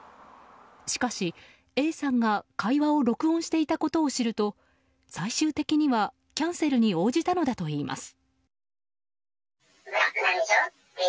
しかし、Ａさんが会話を録音していたことを知ると最終的には、キャンセルに応じたのだといいます。